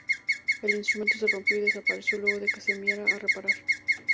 El instrumento se rompió y desapareció luego de que se enviara a reparar.